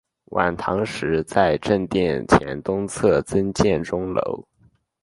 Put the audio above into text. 晚唐时在正殿前东侧增建钟楼。